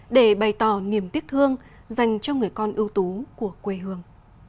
để bày tỏ niềm tiếc thương dành cho người con ưu tú của quê hương